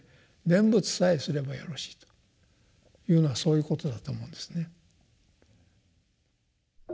念仏さえすればよろしいというのはそういうことだと思うんですね。